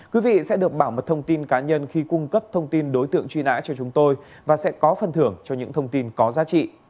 quý vị sẽ được bảo mật thông tin cá nhân khi cung cấp thông tin đối tượng truy nã cho chúng tôi và sẽ có phần thưởng cho những thông tin có giá trị